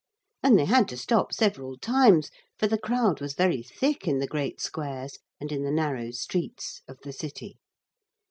And they had to stop several times, for the crowd was very thick in the great squares and in the narrow streets of the city.